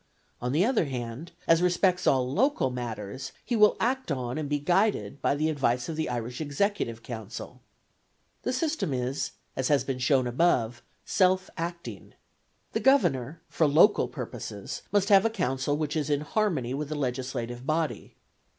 On the other hand, as respects all local matters, he will act on and be guided by the advice of the Irish executive council. The system is, as has been shown above, self acting. The governor, for local purposes, must have a council which is in harmony with the legislative body.